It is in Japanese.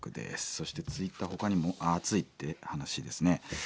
そしてＴｗｉｔｔｅｒほかにも暑いって話ですね。